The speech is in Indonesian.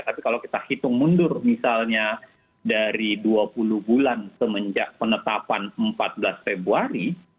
tapi kalau kita hitung mundur misalnya dari dua puluh bulan semenjak penetapan empat belas februari